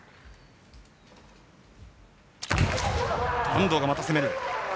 安藤がまた攻める。